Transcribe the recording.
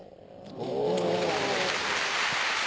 お。